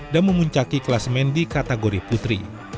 dan memuncaki kelas main di kategori putri